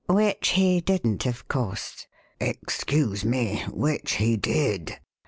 "Which he didn't, of course?" "Excuse me which he did.